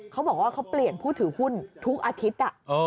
เขาบอกว่าเขาเปลี่ยนผู้ถือหุ้นทุกอาทิตย์